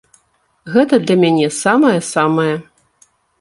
Гэта для мяне самае-самае!